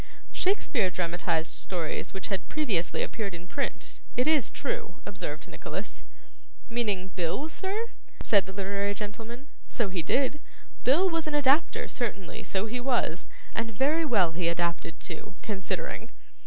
'Shakespeare dramatised stories which had previously appeared in print, it is true,' observed Nicholas. 'Meaning Bill, sir?' said the literary gentleman. 'So he did. Bill was an adapter, certainly, so he was and very well he adapted too considering.